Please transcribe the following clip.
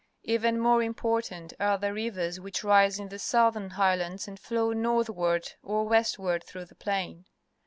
Even more important are the rivers which rise in the southern highlands and flow northward or w estward through the plain.